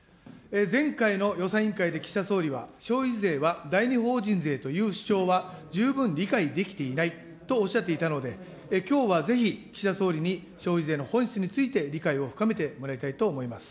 前回の予算委員会で岸田総理は、消費税は第二法人税という主張は十分理解できていないとおっしゃっていたので、きょうはぜひ、岸田総理に消費税の本質について理解を深めてもらいたいと思います。